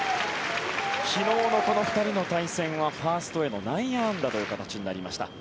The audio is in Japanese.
昨日のこの２人の対戦はファーストへの内野安打という形になりました。